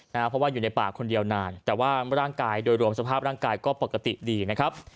เพราะว่าอยู่ในป่าคนเดียวนานแต่ว่าร่างกายโดยรวมสภาพร่างกายก็ปกติดีนะครับ